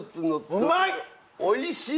あうまい！